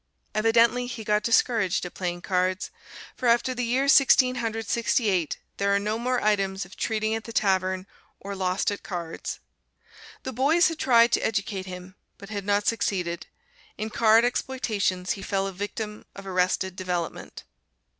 Evidently he got discouraged at playing cards, for after the year Sixteen Hundred Sixty eight, there are no more items of "treating at the tavern" or "lost at cards." The boys had tried to educate him, but had not succeeded. In card exploitations he fell a victim of arrested development.